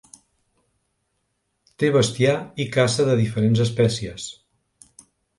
Té bestiar i caça de diferents espècies.